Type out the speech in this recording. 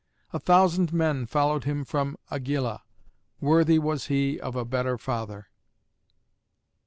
A thousand men followed him from Agylla. Worthy was he of a better father.